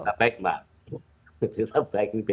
nah ini terbaik mbak